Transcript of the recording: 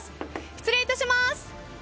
失礼いたします。